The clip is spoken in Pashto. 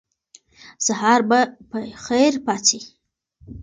سهار به په خیر پاڅئ.